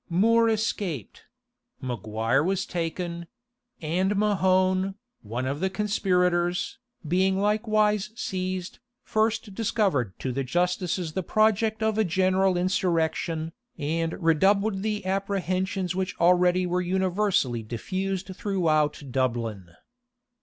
More escaped; Maguire was taken; and Mahone, one of the conspirators, being likewise seized, first discovered to the justices the project of a general insurrection, and redoubled the apprehensions which already were universally diffused throughout Dublin.